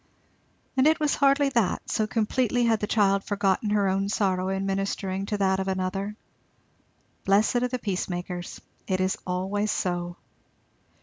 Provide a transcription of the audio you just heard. And it was hardly that, so completely had the child forgotten her own sorrow in ministering to that of another. "Blessed are the peacemakers"! It is always so.